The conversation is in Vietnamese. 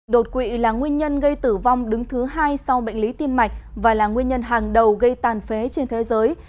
đột quỵ là nguyên nhân gây tử vong đứng thứ hai sau bệnh lý tim mạch và là nguyên nhân hàng đầu gây tàn phế trên thế giới